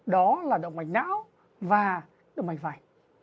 đó là động mạch não và động mạch vành